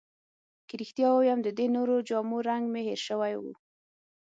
که رښتیا ووایم، د دې نورو جامو رنګ مې هیر شوی وو.